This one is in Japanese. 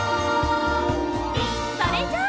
それじゃあ。